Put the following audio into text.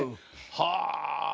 はあ。